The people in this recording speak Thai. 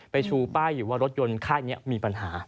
ชูป้ายอยู่ว่ารถยนต์ค่ายนี้มีปัญหา